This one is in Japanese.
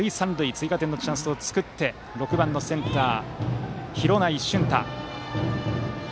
追加点のチャンスを作って打席には６番センター、廣内駿汰。